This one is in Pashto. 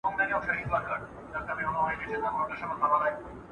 د ماشوم د پوزې بندښت نښې وڅارئ.